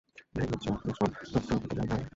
ভেবেছ এতসব তথ্য জোগাড় করতে যাবে তারা!